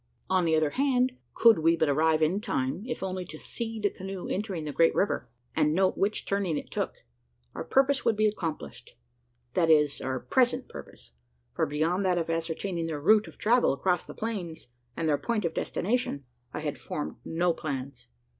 On the other hand, could we but arrive in time if only to see the canoe entering the great river and note which turning it took our purpose would be accomplished. That is, our present purpose; for beyond that of ascertaining their route of travel across the plains, and their point of destination, I had formed no plans.